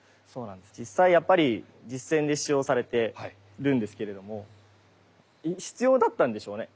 実際やっぱり実戦で使用されてるんですけれども必要だったんでしょうね。